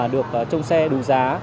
được trông xe đủ giá